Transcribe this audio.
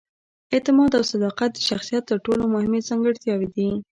اعتماد او صداقت د شخصیت تر ټولو مهمې ځانګړتیاوې دي.